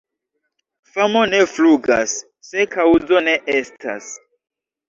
Famo ne flugas, se kaŭzo ne estas.